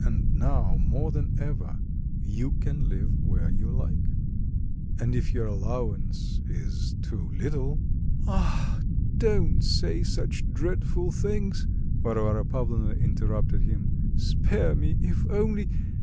and now more than ever; you can live where you like; and if your allowance is too little " "Ah, don't say such dreadful things," Varvara Pavlovna interrupted him, "spare me, if only...